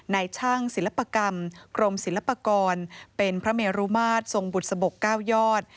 ในช่างศิลปกรรมกรมศิลปากรเป็นพระเมรุมาตรทรงบุษบก๙ยอด